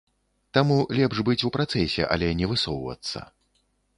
Таму лепш быць у працэсе, але не высоўвацца.